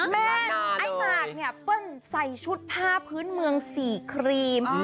แม่นไอหมากเนี่ยปึ้งใส่ชุดภาพพื้นเมืองสี่ครีม